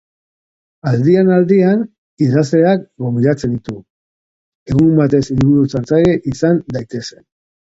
Aldian-aldian, idazleak gonbidatzen ditu, egun batez liburu-saltzaile izan daitezen.